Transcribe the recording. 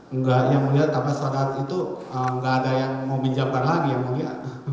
enggak yang mulia tapi saat itu nggak ada yang mau pinjamkan lagi yang mulia